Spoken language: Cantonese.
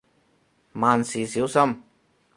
萬事小心